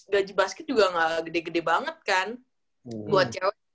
gaji basket juga nggak gede gede banget kan buat cewek